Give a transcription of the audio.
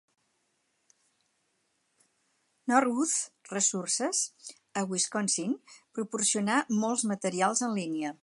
Northwoods Resources, a Wisconsin, proporcionar molts materials en línia.